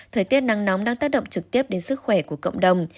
thời tiết nắng nóng đang tác động trực tiếp đến sức khỏe của cộng đồng